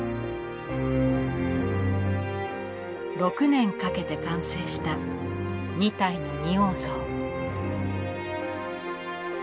６年かけて完成した２体の仁王像。